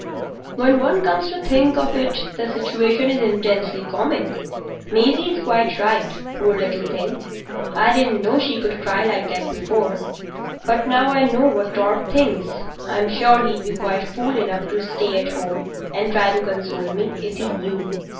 "When one comes to think of it the situation is intensely comic. Maisie's quite right—poor little thing. I didn't know she could cry like that before; but now I know what Torp thinks, I'm sure he'd be quite fool enough to stay at home and try to console me—if he knew.